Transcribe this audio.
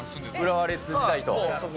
浦和レッズ時代と。